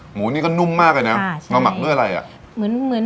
หมูนี่ก็นุ่มมากเลยเรามักด้วยว่าไง